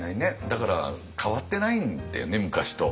だから変わってないんだよね昔と。